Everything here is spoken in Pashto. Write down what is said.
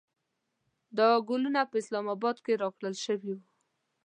دا ګلونه په اسلام اباد کې راکړل شوې وې.